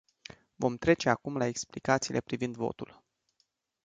Vom trece acum la explicațiile privind votul.